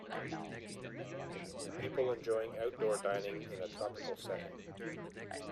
People enjoying outdoor dining in a tropical setting